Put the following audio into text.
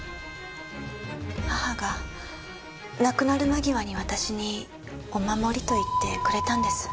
母が亡くなる間際に私にお守りと言ってくれたんです。